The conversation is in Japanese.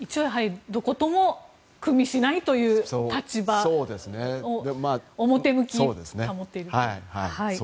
どことも組しないという立場を表向きは保っていると。